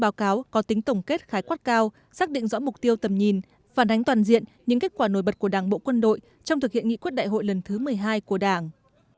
phản ánh toàn diện những kết quả nổi bật của đảng bộ quân đội trong thực hiện nghị quốc đại hội lần thứ một mươi hai của đảng